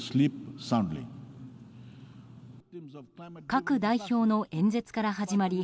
各代表の演説から始まり